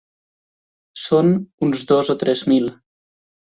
Són uns dos o tres mil.